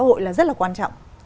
hội là rất là quan trọng